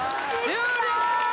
終了！